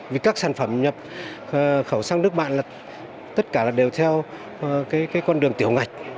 vì các sản phẩm nhập khẩu sang nước bạn là tất cả đều theo cái con đường tiểu ngạch